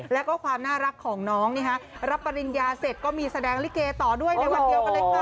แล้วก็ความน่ารักของน้องรับปริญญาเสร็จก็มีแสดงลิเกต่อด้วยในวันเดียวกันเลยค่ะ